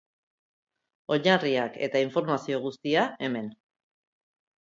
Oinarriak eta informazio guztia, hemen.